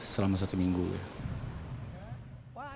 selama satu minggu ya